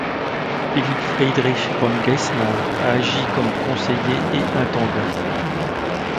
Philipp Friedrich von Geismar a agi comme conseiller et intendant.